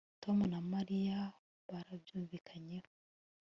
Tom na Mariya barabyumvikanyeho